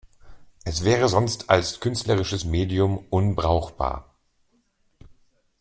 Es wäre sonst als künstlerisches Medium unbrauchbar“".